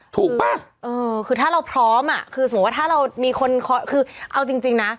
ป่ะเออคือถ้าเราพร้อมอ่ะคือสมมุติว่าถ้าเรามีคนคือเอาจริงนะ